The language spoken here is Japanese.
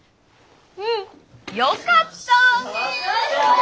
うん！よかったわね。